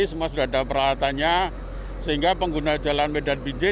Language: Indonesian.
semua sudah ada peralatannya sehingga pengguna jalan medan binjai